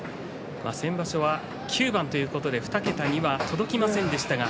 先場所は９番ということで２桁には届きませんでした。